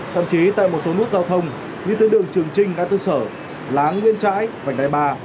thậm chí tại một số nút giao thông như tới đường trường trinh nga tư sở láng nguyên trãi vành đài ba